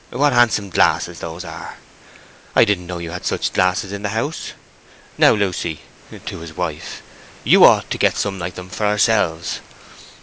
What handsome glasses those are! I didn't know you had such glasses in the house. Now, Lucy" (to his wife), "you ought to get some like them for ourselves."